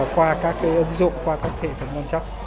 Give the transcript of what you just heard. qua các cái ứng dụng qua các thể phần ngon chắc